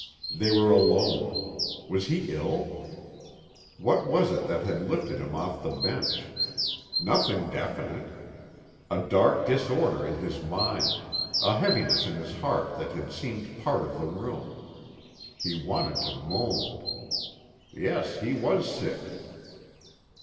They were alone. Was he ill? What was it that had lifted him off the bench? Nothing definite. A dark disorder in his mind, a heaviness in his heart that had seemed part of the room. He wanted to moan. Yes, he was sick.